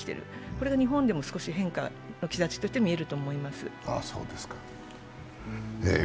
これも日本でも変化の兆しとして見えると思います。